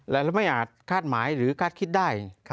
และเราไม่อาจคาดหมายหรือคาดคิดได้